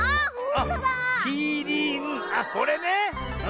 あっこれね。